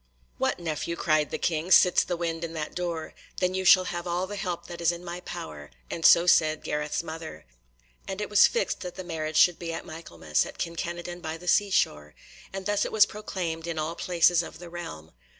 "What, nephew," cried the King, "sits the wind in that door? Then you shall have all the help that is in my power," and so said Gareth's mother. And it was fixed that the marriage should be at Michaelmas, at Kin Kenadon by the seashore, and thus it was proclaimed in all places of the realm.